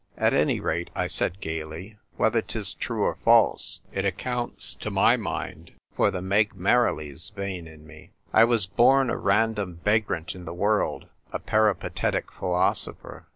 "At any rate," I said gaily, "whether 'tis true or false, it accounts, to my mind, for the Meg Merrilies vein in me. I was born a random vagrant in the world, a peripatetic philosopher.